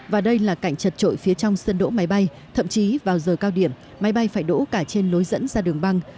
và đây là cảnh chật trội phía trong sân đỗ máy bay thậm chí vào giờ cao điểm máy bay phải đỗ cả trên lối dẫn ra đường băng